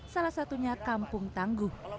salah satunya kampung tangguh